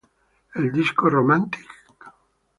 El disco "Romantic?